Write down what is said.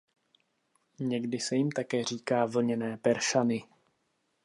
Někdy se jim také říká "vlněné peršany".